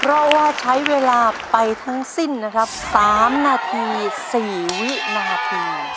เพราะว่าใช้เวลาไปทั้งสิ้นนะครับ๓นาที๔วินาที